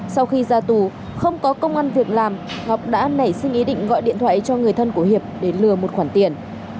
sau khi ra tù không có công an việc làm ngọc đã nảy sinh ý định gọi điện thoại cho người thân của hiệp để lừa một khoản tiền